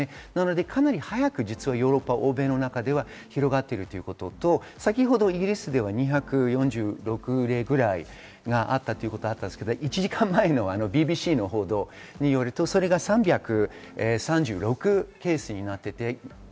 かなり早くヨーロッパ、欧米の中では広がっているということと、先ほどイギリスでは２４６例ぐらいがあったということでしたが、１時間前のＢＢＣの報道によると、３３６ケースになっています。